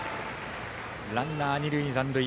ランナー、二塁残塁。